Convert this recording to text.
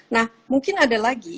nah mungkin ada lagi